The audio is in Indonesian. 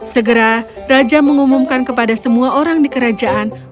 segera raja mengumumkan kepada semua orang di kerajaan